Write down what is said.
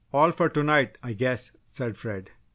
"All for to night, I guess," said Fred.